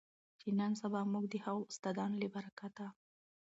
چې نن سبا مونږ د هغو استادانو له برکته